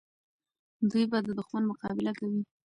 دوی به د دښمن مقابله کوي.